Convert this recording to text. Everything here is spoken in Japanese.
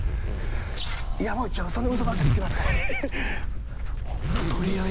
山内は嘘ばっかつきますから。